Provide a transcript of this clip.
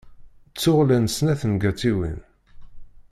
Tuɣ llant snat n tgaṭiwin.